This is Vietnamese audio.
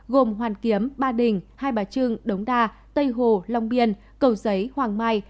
gồm hoàn kiếm ba đình hai bà trưng đống đa tây hồ long biên cầu giấy hoàng mai